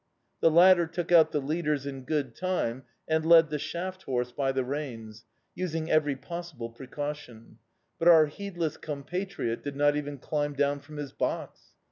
The latter took out the leaders in good time and led the shaft horse by the reins, using every possible precaution but our heedless compatriot did not even climb down from his box!